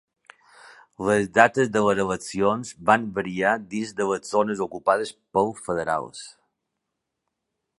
Les dates de les eleccions van variar dins de les zones ocupades pels federals.